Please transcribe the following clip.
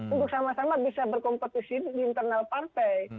untuk sama sama bisa berkompetisi di internal partai